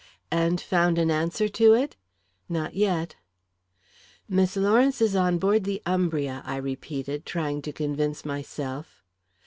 "And found an answer to it?" "Not yet." "Miss Lawrence is on board the Umbria," I repeated, trying to convince myself.